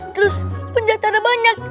terus penjahatnya ada banyak